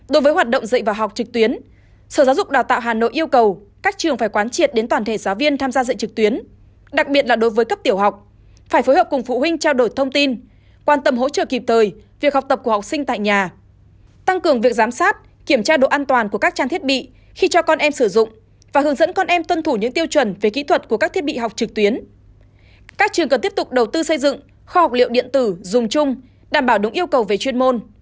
đối với hoạt động dạy và học trực tuyến sở giáo dục đào tạo hà nội yêu cầu các trường phải quán triệt đến toàn thể giáo viên tham gia dạy trực tuyến đặc biệt là đối với cấp tiểu học phải phối hợp cùng phụ huynh trao đổi thông tin quan tâm hỗ trợ kịp thời việc học tập của học sinh tại nhà tăng cường việc giám sát kiểm tra độ an toàn của các trang thiết bị khi cho con em sử dụng và hướng dẫn con em tuân thủ những tiêu chuẩn về kỹ thuật của các thiết bị học trực tuyến